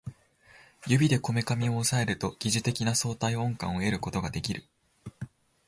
指でこめかみを抑えると疑似的な相対音感を得ることができる